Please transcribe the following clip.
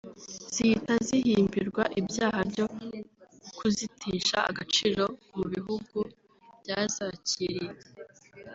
zihita zihimbirwa ibyaha byo kuzitesha agaciro mu bihugu byazakiriye